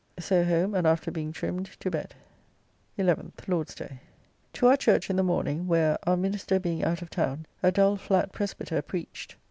So home, and after being trimmed, to bed. 11th (Lord's day). To our church in the morning, where, our Minister being out of town, a dull, flat Presbiter preached.